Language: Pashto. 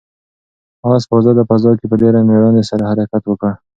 آس په آزاده فضا کې په ډېرې مېړانې سره حرکت وکړ.